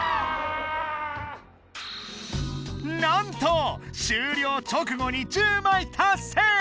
なんと終了直後に１０枚達成！